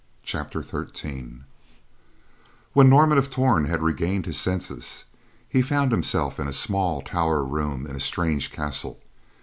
CHAPTER XIII When Norman of Torn regained his senses, he found himself in a small tower room in a strange castle.